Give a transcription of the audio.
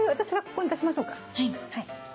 はい。